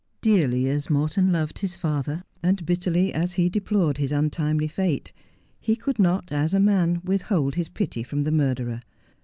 Dearly as Morton loved his father, and bitterly as he deplored his untimely fate, he could not, as a man, withhold his pity from the murderer.